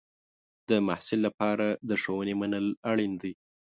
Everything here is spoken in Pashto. د محصل لپاره د ښوونې منل اړین دی.